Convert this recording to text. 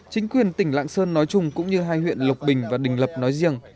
chính quyền tỉnh lạng sơn nói chung cũng như hai huyện lộc bình và đình lập nói riêng